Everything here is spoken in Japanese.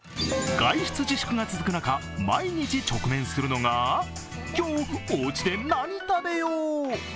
外出自粛が続く中、毎日直面するのが今日、おうちで何食べよう？